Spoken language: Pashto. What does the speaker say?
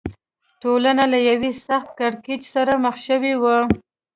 ټولنه له یوه سخت کړکېچ سره مخ شوې وه.